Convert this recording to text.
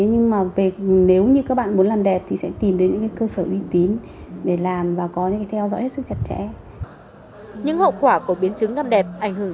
những hậu quả của biến chứng làm đẹp ảnh hưởng cho các bạn